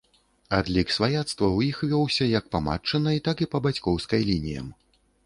Адлік сваяцтва ў іх вёўся як па матчынай, так і па бацькоўскай лініям.